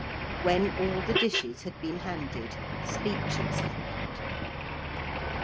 When all the dishes had been handed, speeches happened.